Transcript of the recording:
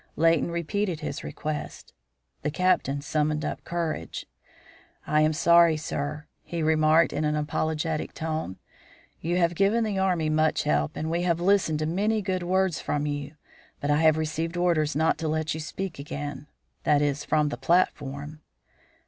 Leighton repeated his request. The Captain summoned up courage. "I am sorry, sir," he remarked, in an apologetic tone. "You have given the Army much help, and we have listened to many good words from you, but I have received orders not to let you speak again; that is, from the platform."